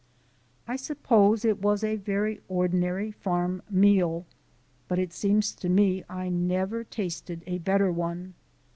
I suppose it was a very ordinary farm meal, but it seems to me I never tasted a better one.